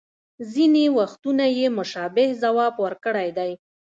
ځینې وختونه یې مشابه ځواب ورکړی دی